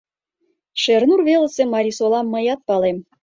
— Шернур велысе Марисолам мыят палем.